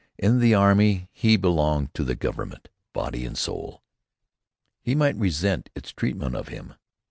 In the army he belonged to the Government body and soul. He might resent its treatment of him.